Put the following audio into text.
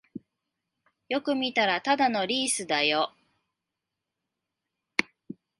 よく見たらただのリースだよ